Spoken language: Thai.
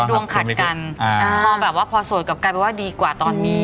ด้วงขัดกันพอแบบว่าพอโสดก็กลายมาดีกว่าตอนบี